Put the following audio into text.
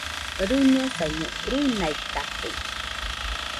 Rɨñosaiño, ruinaitate.